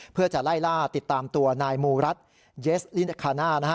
เพื่อจะไล่ล่าติดตามตัวนายมูรัฐเยสลินคาน่านะฮะ